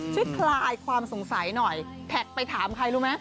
คลายความสงสัยหน่อยแท็กไปถามใครรู้ไหม